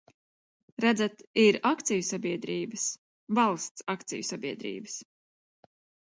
Redzat, ir akciju sabiedrības, valsts akciju sabiedrības.